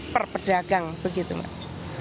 per pedagang begitu mbak